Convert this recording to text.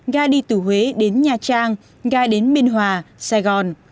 ga đi từ huế đến nha trang ga đến biên hòa sài gòn